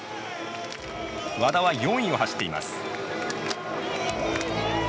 和田は４位を走っています。